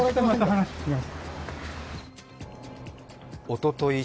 おととい